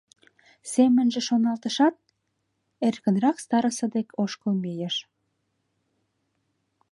Семынже шоналтышат, эркынрак староста дек ошкыл мийыш.